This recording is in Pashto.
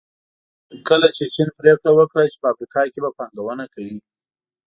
کله چې چین پریکړه وکړه چې په افریقا کې به پانګونه کوي.